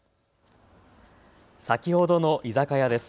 先ほどの居酒屋です。